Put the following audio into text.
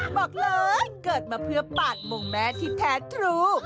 บอกเลยเกิดมาเพื่อปาดมงแม่ที่แท้ทรู